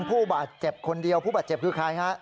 ผู้บาดเจ็บคนเดียวผู้บาดเจ็บคือใครฮะ